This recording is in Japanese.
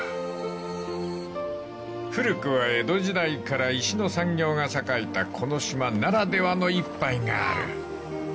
［古くは江戸時代から石の産業が栄えたこの島ならではの一杯がある］